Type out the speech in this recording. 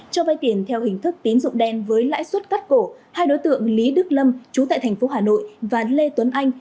cho vai tiền theo hình thức tín dụng đen với lãi suất cắt cổ hai đối tượng lý đức lâm chú tại tp hcm và lê tuấn anh